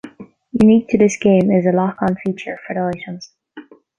Unique to this game is a lock-on feature for the items.